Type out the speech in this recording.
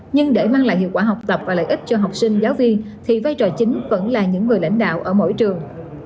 nhưng để mang lại hiệu quả học tập và lợi ích cho học sinh giáo viên thì vai trò chính vẫn là những người lãnh đạo ở mỗi trường